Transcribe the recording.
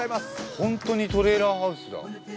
ホントにトレーラーハウスだ。